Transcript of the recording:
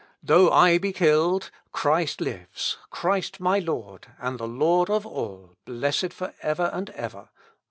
Though I be killed, Christ lives, Christ my Lord, and the Lord of all, blessed for ever and ever.